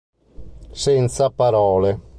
Senza parole